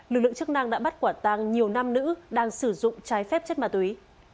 lực lượng chức năng đã bắt quả tăng nhiều nam nữ đang sử dụng trái phép chất ma túy